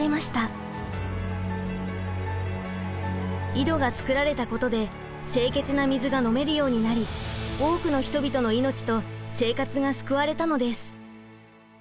井戸が造られたことで清潔な水が飲めるようになり多くの人々の命と生活が救われたのです。